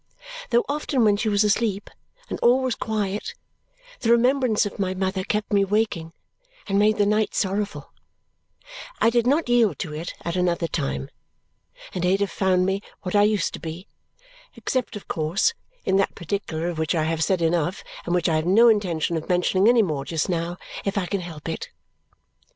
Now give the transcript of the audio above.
Though often when she was asleep and all was quiet, the remembrance of my mother kept me waking and made the night sorrowful, I did not yield to it at another time; and Ada found me what I used to be except, of course, in that particular of which I have said enough and which I have no intention of mentioning any more just now, if I can help it.